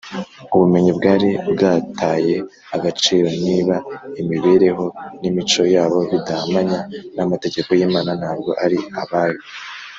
. Ubumenyi bwari bwataye agaciro. Niba imibereho n’imico yabo bidahamanya n’amategeko y’Imana, ntabwo ari abayo